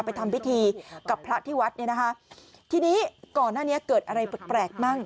ทำพิธีกับพระที่วัดเนี่ยนะคะทีนี้ก่อนหน้านี้เกิดอะไรแปลกแปลกมั่ง